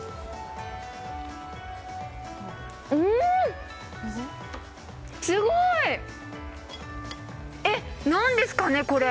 うん、すごい、えっ、何ですかね、これ。